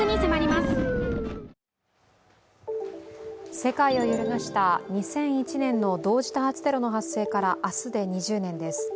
世界を揺るがした２００１年の同時多発テロの発生から明日で２０年です。